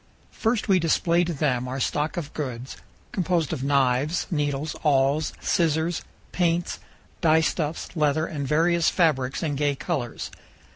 First, we display to them our stock of goods, composed of knives, needles, awls, scissors, paints, dyestuffs, leather, and various fabrics in gay colors.